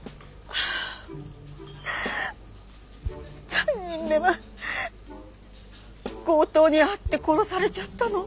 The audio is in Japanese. ああ３人目は強盗に遭って殺されちゃったの。